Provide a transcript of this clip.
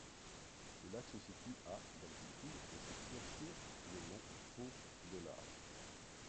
Le lac se situe à d'altitude et s'étire sur de long pour de large.